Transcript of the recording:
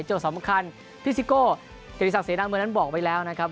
เจ้าสำคัญพิซิโก้เจริสักเสน่ห์เมื่อนั้นบอกไปแล้วนะครับ